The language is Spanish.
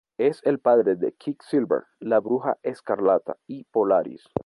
Es el padre de Quicksilver, la Bruja Escarlata y Polaris.